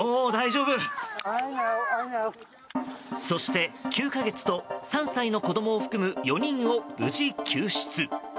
そして、９か月と３歳の子供を含む４人を無事救出。